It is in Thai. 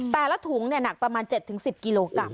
แต่ละถุงหนักประมาณ๗๑๐กิโลกรัม